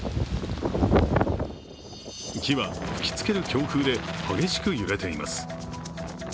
木は吹きつける強風で激しく揺れています。